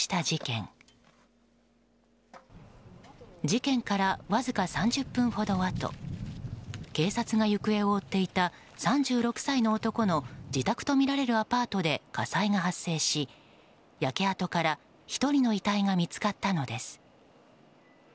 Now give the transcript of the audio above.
事件から、わずか３０分ほどあと警察が行方を追っていた３６歳の男の自宅とみられるアパートで火災が発生し焼け跡から１人の遺体が見つかったのです。